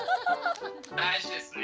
大事ですね。